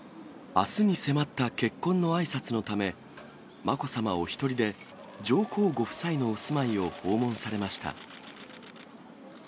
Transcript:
あすに迫った結婚のあいさつのため、まこさまお１人で、上皇ご夫妻のお住まいを訪問されました。